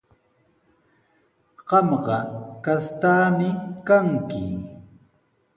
Qamqa kastaami kanki.